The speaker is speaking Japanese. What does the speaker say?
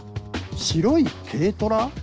白い軽トラ？